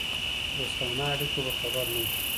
دوستانه اړیکو به خبر نه وو.